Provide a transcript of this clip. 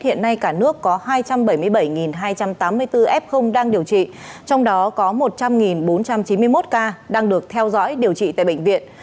hiện nay cả nước có hai trăm bảy mươi bảy hai trăm tám mươi bốn f đang điều trị trong đó có một trăm linh bốn trăm chín mươi một ca đang được theo dõi điều trị tại bệnh viện